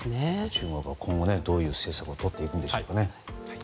中国は今後どういう政策をとっていくんでしょうか。